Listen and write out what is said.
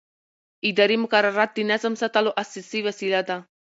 اداري مقررات د نظم ساتلو اساسي وسیله ده.